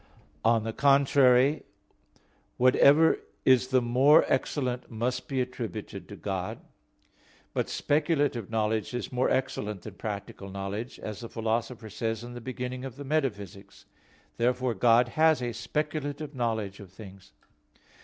On the contrary, Whatever is the more excellent must be attributed to God. But speculative knowledge is more excellent than practical knowledge, as the Philosopher says in the beginning of Metaphysics. Therefore God has a speculative knowledge of things.